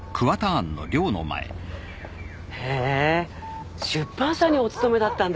へぇ出版社にお勤めだったんですか？